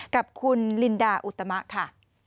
กับคุณลินดาอุตมะค่ะ